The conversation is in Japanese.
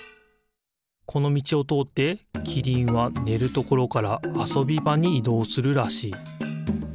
このみちをとおってキリンはねるところからあそびばにいどうするらしい。